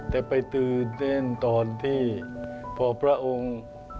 แต่ไปตื่นเต้นตอนที่พอพระองค์